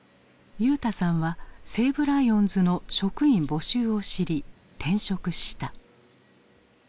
裕大さんは西武ライオンズの職員募集を知り転職した。